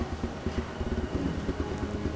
iya sih pak